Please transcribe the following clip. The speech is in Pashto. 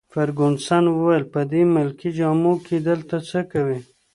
فرګوسن وویل: په دې ملکي جامو کي دلته څه کوي؟